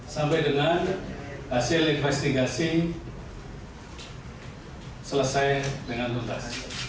sampai dengan hasil investigasi selesai dengan tuntas